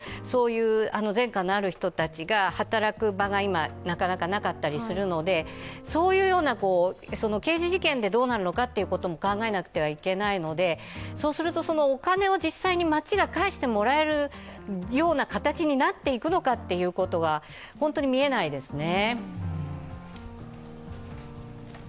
これは改善しなければいけないことなんですけれども、前科のある人たちが働く場が今、なかなかなかったりするので、刑事事件でどうなるのかということも考えないといけないのでそうするとお金を実際に町が返してもらえるような形になっていくのかということは本当に見えないですね。